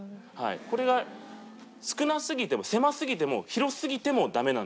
これが少なすぎても狭すぎても広すぎてもダメなんですね。